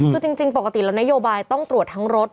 คือจริงปกติแล้วนโยบายต้องตรวจทั้งรถ